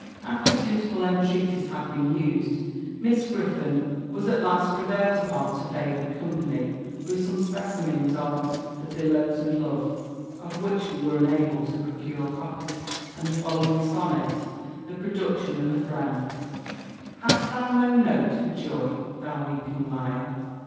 After suitable entreaties had been used, Miss Griflon was at last prevailed upon to favour the company, with some specimens of the "Billows of Love" (of which we were unable to procure copies) and the following sonnet, the production of a friend; "Hast thou no note for joy, thou weeping lyre?